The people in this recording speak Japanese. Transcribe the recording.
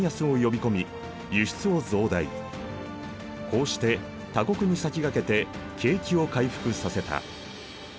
こうして他国に先駆けて景気を回復させた。